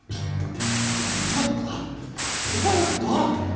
ちょっとどういうこと！？